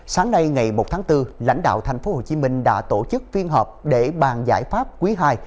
sáng nay ngày một tháng bốn lãnh đạo tp hcm đã tổ chức phiên họp để bàn giải pháp quý ii